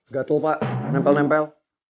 gatul pak nempel nempel